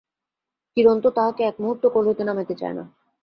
কিরণ তো তাহাকে এক মুহূর্ত কোল হইতে নামাইতে চায় না।